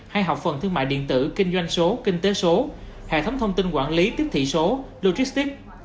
hay hợp phần thương mại điện tử kinh doanh số kinh tế số hệ thống thông tin quản lý tiếp thị số logistics